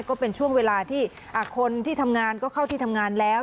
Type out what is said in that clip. ก็เป็นช่วงเวลาที่คนที่ทำงานก็เข้าที่ทำงานแล้ว